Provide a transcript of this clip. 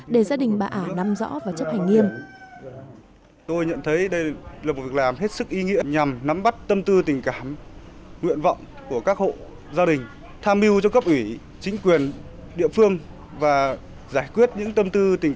để gia đình bà ả nắm rõ và chấp hành nghiêm